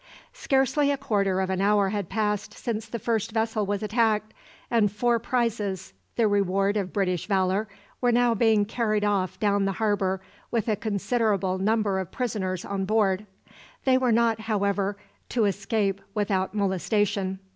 Scarcely a quarter of an hour had passed since the first vessel was attacked, and four prizes, the reward of British valour, were now being carried off down the harbour with a considerable number of prisoners on board. They were not, however, to escape without molestation.